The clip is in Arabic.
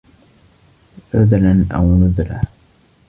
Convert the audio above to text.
عُذرًا أَو نُذرًا